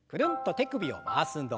手首を回す運動。